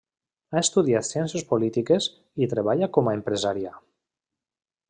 Ha estudiat ciències polítiques i treballa com a empresària.